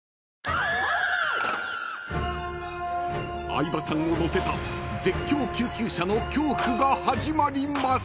［相葉さんを乗せた絶叫救急車の恐怖が始まります］